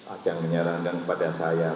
ada yang menyarankan kepada saya